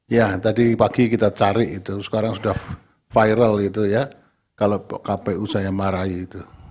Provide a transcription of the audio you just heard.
ya tadi pagi kita cari sekarang sudah viral kalau kpu saya marahi